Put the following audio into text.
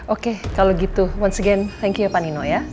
oke kalau gitu once again thank you ya pak nino ya